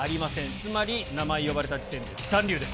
つまり、名前呼ばれた時点で残留です。